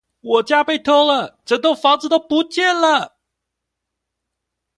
我家被偷了，整棟房子都不見了